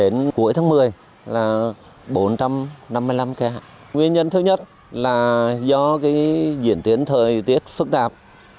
nguyên nhân thứ nhất là do diễn tiến thời tiết phức tạp